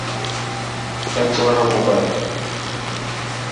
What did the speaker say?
ٽچ واڙو موبائل.